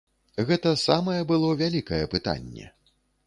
Гэта самае было вялікае пытанне.